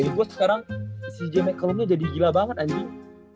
maksud gue sekarang si jemek kalumnya jadi gila banget anjing